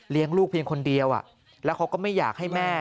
ลูกเพียงคนเดียวแล้วเขาก็ไม่อยากให้แม่